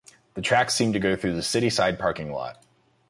The tracks seem to go through the City Side parking lot.